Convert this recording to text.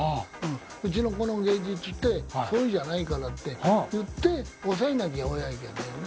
うちの子の芸術ってそういうのじゃないからって言って抑えなきゃ親がいけないよね。